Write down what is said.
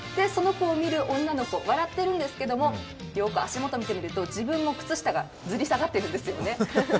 その子を見る女の子、笑ってるんですけど、よく足元を見てみると、自分も靴下がずり下がっているんですね。